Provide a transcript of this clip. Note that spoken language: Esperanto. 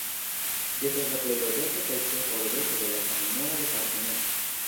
Ĝi estas la plej loĝata kaj ĉefa urbeto de la samnoma departemento.